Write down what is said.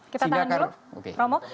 kita tahan dulu romo